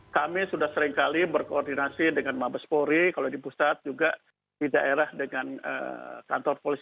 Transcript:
kami sudah seringkali berkoordinasi dengan mabespori kalau di pusat juga